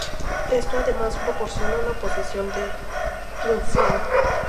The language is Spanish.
Esto además proporciona una posición de pinfall.